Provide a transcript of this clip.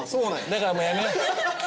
だからもうやめよう！